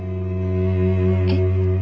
えっ？